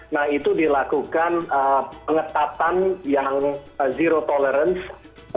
nah itu dilakukan pengetatan yang zero tolerance